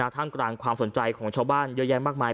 ท่ามกลางความสนใจของชาวบ้านเยอะแยะมากมาย